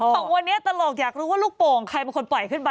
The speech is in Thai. ของวันนี้ตลกอยากรู้ว่าลูกโป่งใครเป็นคนปล่อยขึ้นไป